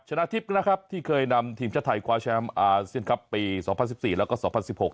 ชนะทิพย์นะครับที่เคยนำทีมชาติไทยคว้าแชมป์อาเซียนครับปีสองพันสิบสี่แล้วก็สองพันสิบหก